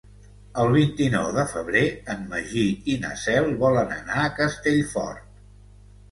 El vint-i-nou de febrer en Magí i na Cel volen anar a Castellfort.